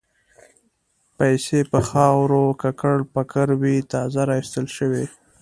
پیسې په خاورو ککړ پکر وې تازه را ایستل شوې.